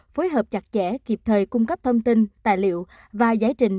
phối hợp chặt chẽ kịp thời cung cấp thông tin tài liệu và giải trình